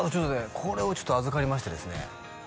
これをちょっと預かりましてですね